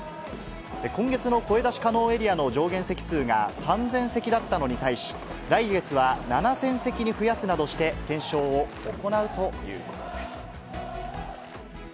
今月の声出し可能エリアの上限席数が３０００席だったのに対し、来月は７０００席に増やすなどして、検証を行うということです。